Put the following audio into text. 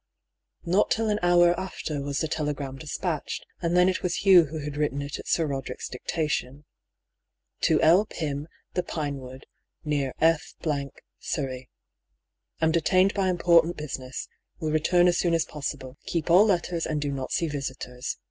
Not till an hour after was the telegram despatched, and then it was Hugh who had written it at Sir Roder ick's dictation :—" To L, Pym^ The Pinewood^ " Near F , Surrey, ^Am detained by important bushiess. Will return as soon as possible. Keep all letters^ and do not see visitors.